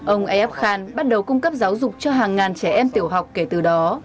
ông ayyab khan bắt đầu cung cấp giáo dục cho hàng ngàn trẻ em tiểu học kể từ đó